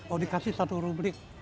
oh dikasih satu rubrik